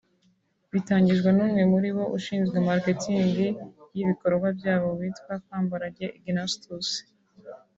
bitangijwe n’umwe muri bo ushinzwe marketing y’ibikorwa byabo witwa Kambarage Ignastus